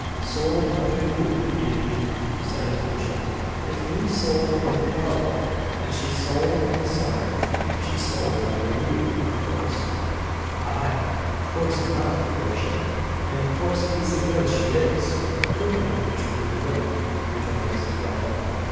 "Sold under you, you mean," said his worship "If you sold in the parlour, and she sold in the cellar, she sold under you, of course." "Aye, coarse enough, your worship, and a coarse piece of goods she is look at her which way you will," rejoined Mrs. Welldone.